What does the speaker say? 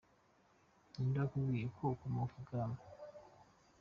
Ni nde wakubwiye ko ukomoka ibwami?.